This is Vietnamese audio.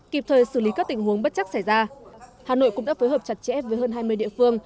kịp thời xử lý các tình huống bất chắc xảy ra hà nội cũng đã phối hợp chặt chẽ với hơn hai mươi địa phương